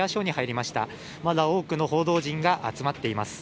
まだ多くの報道陣が集まっています。